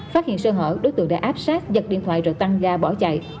phát hiện sơ hỏi đối tượng đã áp sát giật điện thoại rồi tăng ga bỏ điện thoại